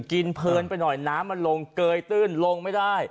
เพลินไปหน่อยน้ำมันลงเกยตื้นลงไม่ได้